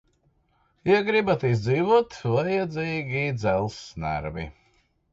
Ja gribat izdzīvot, vajadzīgi dzelzs nervi.